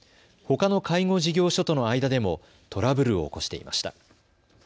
ほかの介護事業所との間でもトラブルを起こしていました。